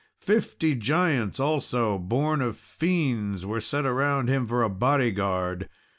Fifty giants also, born of fiends, were set around him for a body guard.